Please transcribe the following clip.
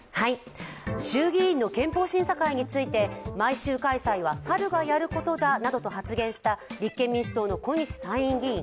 衆議院の憲法審査会について毎週開催は猿がやることだなどと発言した立憲民主党の小西参院議員。